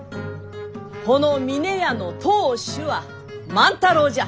この峰屋の当主は万太郎じゃ。